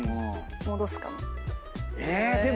戻すかも。